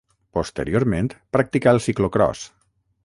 Posteriorment practicà el ciclocròs.